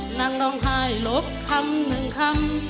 นั่งร้องไห้หลบคำหนึ่งคำ